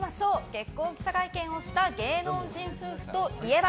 結婚記者会見をした芸能人夫婦といえば？